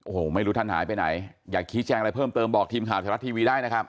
โอ้โหไม่รู้ท่านหายไปไหนอยากชี้แจงอะไรเพิ่มเติมบอกทีมข่าวไทยรัฐทีวีได้นะครับ